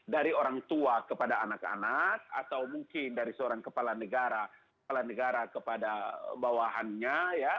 dari orang tua kepada anak anak atau mungkin dari seorang kepala negara kepada bawahannya